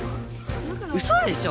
うそでしょ。